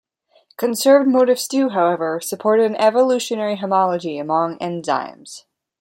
Conserved motifs do, however, support an evolutionary homology among enzymes.